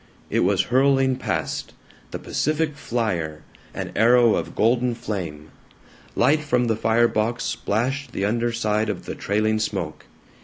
It was hurling past the Pacific Flyer, an arrow of golden flame. Light from the fire box splashed the under side of the trailing smoke.